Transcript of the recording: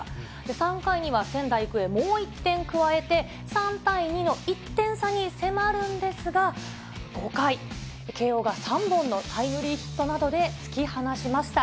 ３回には仙台育英、もう１点加えて、３対２の１点差に迫るんですが、５回、慶応が３本のタイムリーヒットなどで突き放しました。